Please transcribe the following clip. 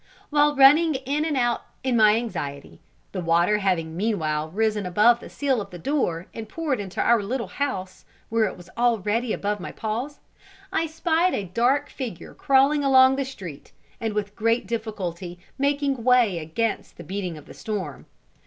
While running in and out in my anxiety the water having meanwhile risen above the sill of the door, and poured into our little house, where it was already above my paws I spied a dark figure crawling along the street, and with great difficulty making way against the beating of the storm.